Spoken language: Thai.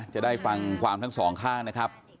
จะได้ฟังความทั้งสองข้างนะครับ